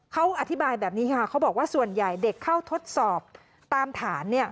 เขาอธิบายแบบนี้ค่ะเขาบอกว่าส่วนใหญ่เด็กเข้าทดสอบตามฐานเนี่ย